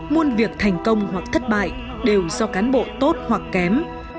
muôn việc thành công hoặc thất bại đều do cán bộ tốt hoặc kém